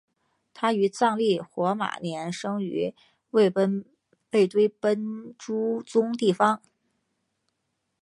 他于藏历火马年生于卫堆奔珠宗地方。